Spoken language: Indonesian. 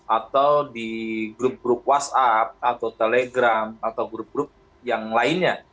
atau di grup grup whatsapp atau telegram atau grup grup yang lainnya